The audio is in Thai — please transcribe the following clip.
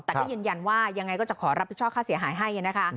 แต่ก็ยืนยันว่ายังไงก็จะขอรับผิดชอบค่าเสียหายให้นะคะ